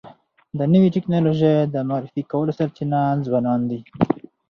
د نوي ټکنالوژۍ د معرفي کولو سرچینه ځوانان دي.